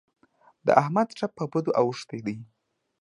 د احمد ټپ په بدو اوښتی دی.